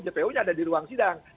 jpu nya ada di ruang sidang